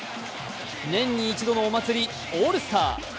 年に一度のお祭り、オールスター。